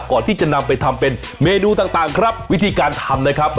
ก่อนที่จะนำไปทำเป็นเมนูต่างครับวิธีการทำนะครับ